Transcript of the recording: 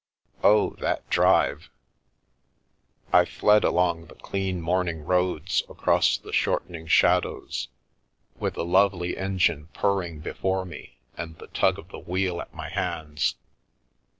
Oh, that drive ! I fled along the clean morning roads across the shortening shadows, with the lovely engine purring before me and the tug of the wheel at my hands.